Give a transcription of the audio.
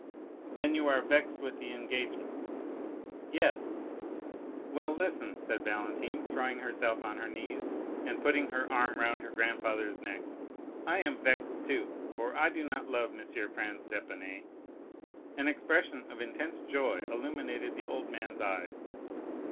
"Then you are vexed with the engagement?" "Yes." "Well, listen," said Valentine, throwing herself on her knees, and putting her arm round her grandfather's neck, "I am vexed, too, for I do not love M. Franz d'Épinay." An expression of intense joy illumined the old man's eyes.